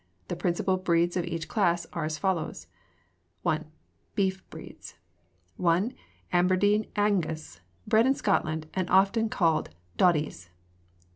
The principal breeds of each class are as follows: I. Beef Breeds 1. Aberdeen Angus, bred in Scotland, and often called doddies.